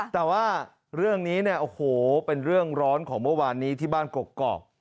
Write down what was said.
แต่ว่าเรื่องนี้เนี่ยโอ้โหเป็นเรื่องร้อนของเมื่อวานนี้ที่บ้านกกอก